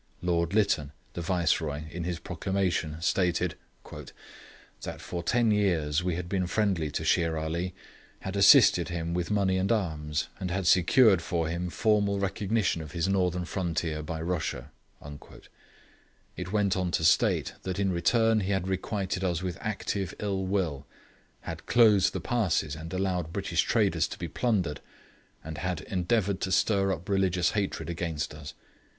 Lord Lytton, the Viceroy, in his proclamation stated: 'That for ten years we had been friendly to Shere Ali; had assisted him with money and arms; and had secured for him formal recognition of his northern frontier by Russia.' It went on to state, that in return he had requited us with active ill will; had closed the passes and allowed British traders to be plundered; and had endeavoured to stir up religious hatred against us.